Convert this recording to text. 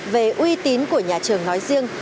về uy tín của nhà trường nói riêng